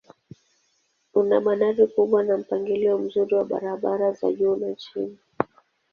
Una bandari kubwa na mpangilio mzuri wa barabara za juu na chini.